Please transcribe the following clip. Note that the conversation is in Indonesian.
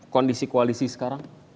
kondisi koalisi sekarang